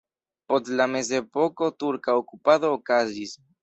Post la mezepoko turka okupado okazis.